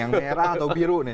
yang merah atau biru nih